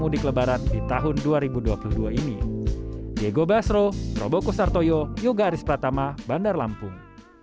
diego basro robo kusarto yo juga aris pratama bandar lampung